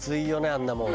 「あんなもん」